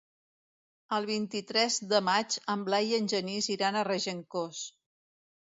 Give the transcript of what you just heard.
El vint-i-tres de maig en Blai i en Genís iran a Regencós.